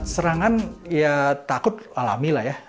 serangan ya takut alami lah ya